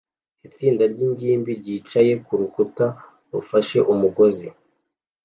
Itsinda ryingimbi ryicaye kurukuta rufashe umugozi